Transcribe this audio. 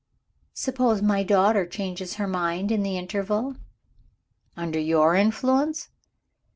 "Suppose my daughter changes her mind, in the interval?" "Under your influence?"